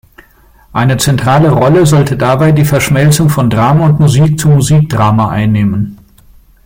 Eine zentrale Rolle sollte dabei die Verschmelzung von Drama und Musik zum "Musikdrama" einnehmen.